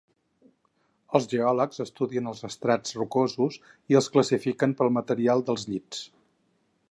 Els geòlegs estudien els estrats rocosos i els classifiquen pel material dels llits.